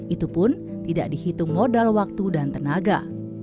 itu pun tidak dihitung modal waktu dan tenaga